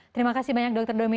terima kasih banyak dokter domi